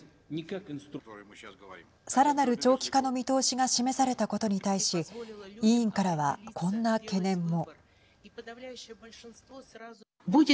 さらなる長期化の見通しが示されたことに対し委員からは、こんな懸念も。